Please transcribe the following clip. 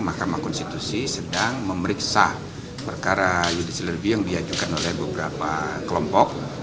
mahkamah konstitusi sedang memeriksa perkara judicial review yang diajukan oleh beberapa kelompok